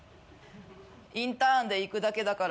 インターンで行くだけだから。